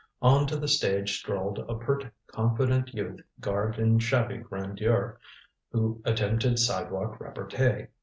On to the stage strolled a pert confident youth garbed in shabby grandeur, who attempted sidewalk repartee.